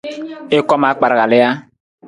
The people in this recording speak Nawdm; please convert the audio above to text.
I kom akpar kali ja?